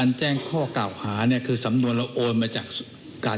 ท่านก็ยังกระพริบตาแล้วก็ถามผมอีกข้อเก่าหาก็โอนมาจากเมืองกาล